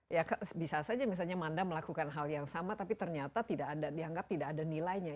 ya bisa saja misalnya manda melakukan hal yang sama tapi ternyata dianggap tidak ada nilainya